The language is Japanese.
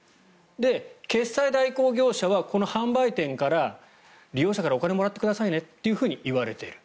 決済代行業者はこの販売店から利用者からお金もらってくださいねと言われている。